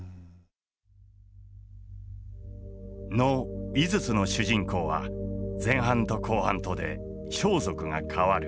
能「井筒」の主人公は前半と後半とで装束が替わる。